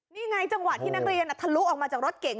นี่ไงจังหวะที่นักเรียนทะลุออกมาจากรถเก๋ง